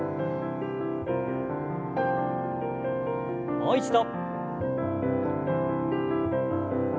もう一度。